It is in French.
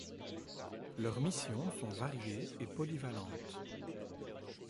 Leurs missions sont variées et polyvalentes.